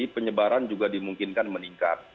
penyebaran juga dimungkinkan meningkat